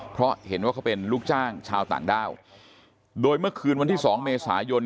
เพราะเห็นว่าเขาเป็นลูกจ้างชาวต่างด้าวโดยเมื่อคืนวันที่สองเมษายน